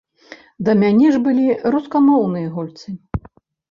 Да мяне ж былі рускамоўныя гульцы.